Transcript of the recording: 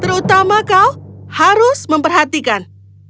terutama kau harus memperhatikan